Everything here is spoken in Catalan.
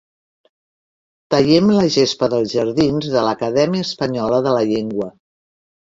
Tallem la gespa dels jardins de l'Acadèmia Espanyola de la llengua.